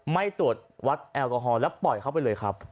ไม่ตรวจวัดแอลกอฮอลแล้วปล่อยเข้าไปเลยครับ